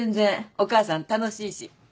お母さん楽しいし。